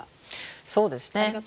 そうですね。